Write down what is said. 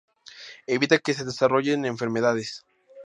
Evita que se desarrollen enfermedades.